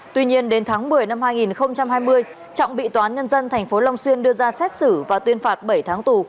tuy nhiên đến tháng một mươi năm hai nghìn hai mươi trọng bị toán nhân dân tp long xuyên đưa ra xét xử và tuyên phạt bảy tháng tù